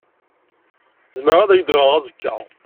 Zemreɣ ad ak-d-ɣreɣ azekka?